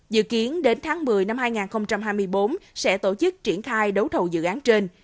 dự kiến đến tháng một mươi năm hai nghìn hai mươi bốn sẽ tổ chức triển khai đấu thầu dự án trên